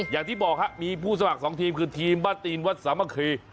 อย่างที่บอกครับมีผู้สมัครสองทีมคือทีมบ้านตีนวัดสามัคคี